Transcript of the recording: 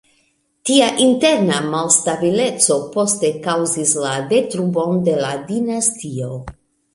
Tia interna malstabileco poste kaŭzis la detruon de la dinastio.